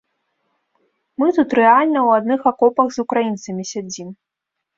Мы тут рэальна ў адных акопах з украінцамі сядзім.